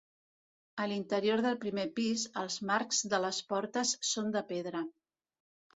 A l'interior del primer pis, els marcs de les portes són de pedra.